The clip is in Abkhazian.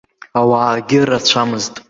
Ауаагьы рацәамызт.